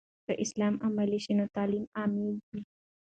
که اسلام عملي سي، تعلیم عامېږي.